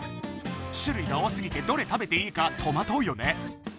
種類が多すぎてどれ食べていいかトマトうよね。